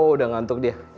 udah ngantuk dia